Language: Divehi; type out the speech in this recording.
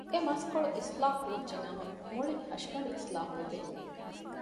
އެ މަސްކޮޅު އިސްލާޙު ވެއްޖެ ނަމަ މުޅި ހަށިގަނޑު އިސްލާޙު ވެދޭ